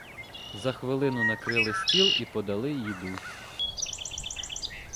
За хвилину накрили стіл і подали іду.